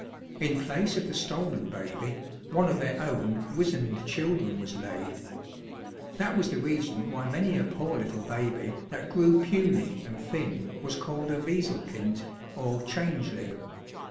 In place of the stolen baby, one of their own wizened children was laid. That was the reason why many a poor little baby, that grew puny and thin, was called a "wiseel kind," or changeling.